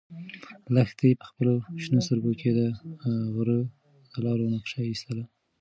لښتې په خپلو شنه سترګو کې د غره د لارو نقشه ایستله.